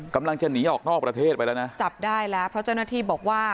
กำลังจะหนีออกนอกประเทศไปแล้วนะจับได้แล้วเพราะเจ้าหน้าที่บอกว่า